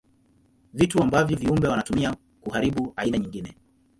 Vitu ambavyo viumbe wanatumia kuharibu aina nyingine.